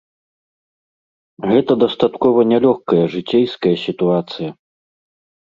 Гэта дастаткова нялёгкая жыцейская сітуацыя.